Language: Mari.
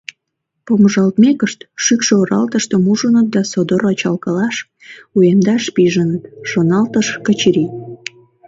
Помыжалтмекышт, шӱкшӧ оралтыштым ужыныт да содор ачалкалаш, уэмдаш пижыныт», — шоналтыш Качырий.